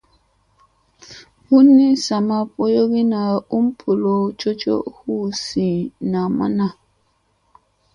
Bunni sami boyogina um bolow coco hu zi namma na.